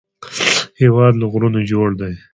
هېواد له غرونو جوړ دی